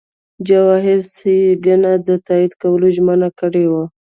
جواهر سینګه د تادیه کولو ژمنه کړې وه.